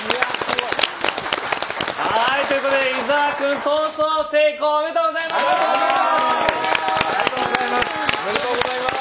伊沢君、逃走成功おめでとうございます！